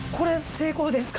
成功ですか？